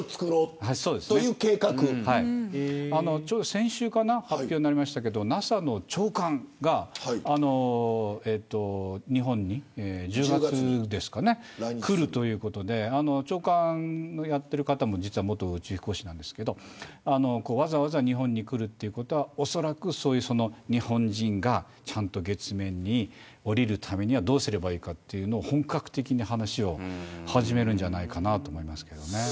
先週発表になりましたけれどＮＡＳＡの長官が日本に１０月ですかね来るということで長官やってる方も実は元宇宙飛行士なんですがわざわざ日本に来るということは恐らく日本人がちゃんと月面に降りるためにはどうすればいいかというのを本格的に話を始めるんじゃないかと思います。